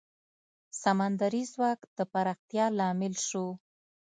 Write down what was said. سمندري ځواک د پراختیا لامل شو.